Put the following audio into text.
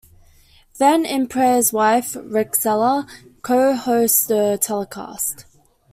Van Impe's wife Rexella cohosts the telecast.